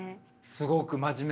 すごく真面目な。